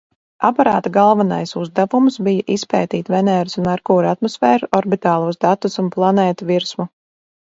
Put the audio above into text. Aparāta galvenais uzdevums bija izpētīt Veneras un Merkura atmosfēru, orbitālos datus un planētu virsmu.